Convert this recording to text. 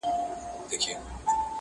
سپینه ږیره سپین غاښونه مسېدلی!.